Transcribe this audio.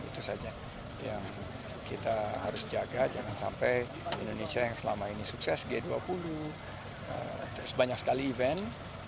itu saja yang kita harus jaga jangan sampai indonesia yang selama ini sukses g dua puluh banyak sekali event